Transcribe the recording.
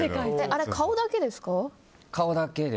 あれは顔だけですか？